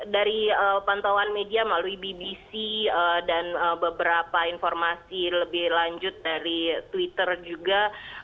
dari pantauan media melalui bbc dan beberapa informasi lebih lanjut dari twitter juga